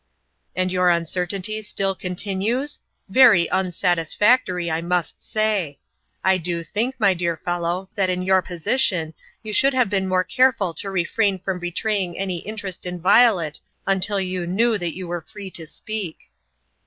" And your uncertainty still continues ? Yery 154 (Eourmaiin's ime Cheques, unsatisfactory, I must say ! I do think, my dear fellow, that, in your position, you should have been more careful to refrain from betraying any interest in Yiolet until you knew that you were free to speak.